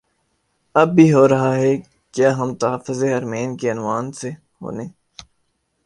اب بھی ہو رہاہے کیا ہم تحفظ حرمین کے عنوان سے ہونے